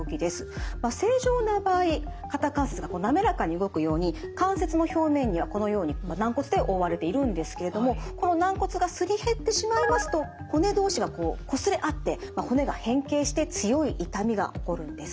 正常な場合肩関節がなめらかに動くように関節の表面にはこのように軟骨で覆われているんですけれどもこの軟骨がすり減ってしまいますと骨同士がこうこすれ合ってまあ骨が変形して強い痛みが起こるんですね。